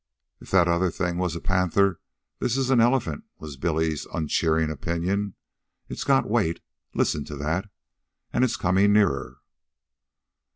"If that other thing was a panther, this is an elephant," was Billy's uncheering opinion. "It's got weight. Listen to that. An' it's comin' nearer."